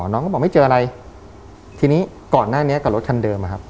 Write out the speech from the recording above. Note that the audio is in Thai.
น้องก็บอกไม่เจออะไรทีนี้ก่อนหน้านี้กับรถคันเดิมอะครับ